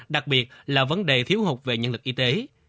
đặc biệt là vấn đề thiếu hụt về nhân lực y tế